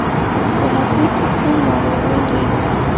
د هضمي سیستم ناروغۍ ډیرې دي.